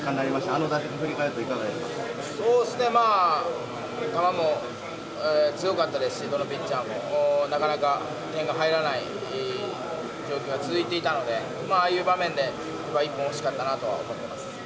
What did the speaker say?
あの打席振り返るといかそうですね、まあ、球も強かったですし、どのピッチャーも、なかなか点が入らない状況が続いていたので、ああいう場面で一本欲しかったなとは思ってます。